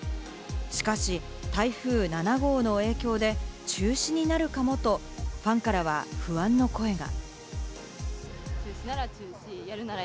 しかし、台風７号の影響で中止になるかもとファンからは不安の声が。